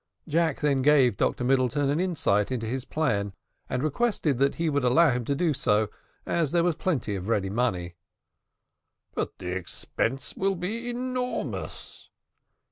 Jack then gave Dr Middleton an insight into his plan, and requested that he would allow him to do so, as there was plenty of ready money. "But the expense will be enormous."